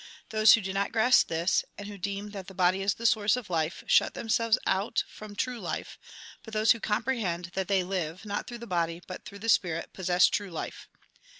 Those who do not grasp this, and who deem that the body is the source of life, shut themselves out from true life ; but those who comprehend that they live, not through the body, but through the spirit, possess true life.